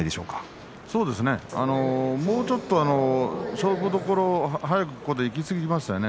もう少し勝負どころ速くいきすぎましたね。